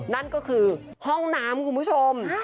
นั่นก็คือห้องน้ำคุณผู้ชม